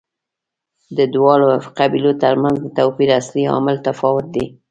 د دواړو قبیلو ترمنځ د توپیر اصلي عامل تفاوت دی.